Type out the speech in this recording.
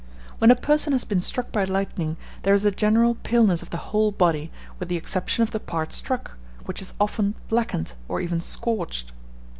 When a person has been struck by lightning, there is a general paleness of the whole body, with the exception of the part struck, which is often blackened, or even scorched.